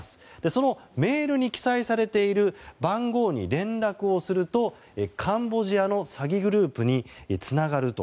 そのメールに記載されている番号に連絡をするとカンボジアの詐欺グループにつながると。